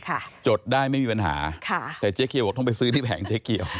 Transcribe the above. จดได้ไม่มีปัญหาค่ะแต่เจ๊เกียวบอกต้องไปซื้อที่แผงเจ๊เกียว